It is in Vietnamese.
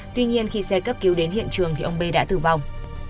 tuy nhiên khi xe cấp cứu đến hiện trường thì ông b đã tử vong